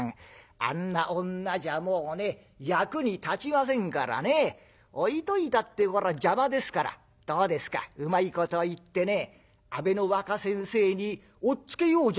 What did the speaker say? あんな女じゃもうね役に立ちませんからね置いといたって邪魔ですからどうですかうまいこと言ってね阿部の若先生に押っつけようじゃありませんか。